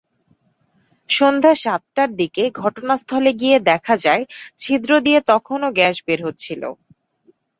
সন্ধ্যা সাতটার দিকে ঘটনাস্থলে গিয়ে দেখা যায়, ছিদ্র দিয়ে তখনো গ্যাস বের হচ্ছিল।